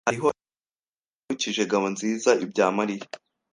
Hariho ibintu byinshi byibukije Ngabonzizaibya Mariya.